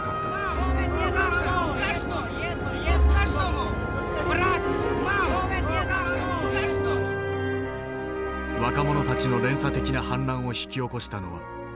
若者たちの連鎖的な反乱を引き起こしたのはテレビだった。